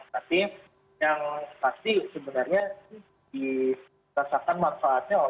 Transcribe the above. tapi yang pasti sebenarnya disasarkan manfaatnya oleh pedagang kecil